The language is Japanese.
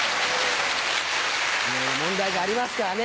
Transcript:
いろいろ問題がありますからね。